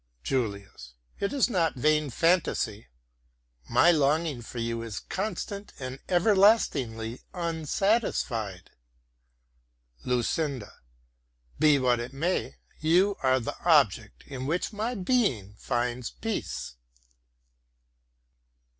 JULIUS It is not vain fantasy. My longing for you is constant and everlastingly unsatisfied. LUCINDA Be it what it may, you are the object in which my being finds peace.